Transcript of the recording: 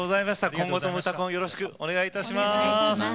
今後とも「うたコン」よろしくお願いします。